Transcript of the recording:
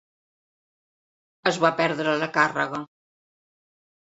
Es va perdre la càrrega.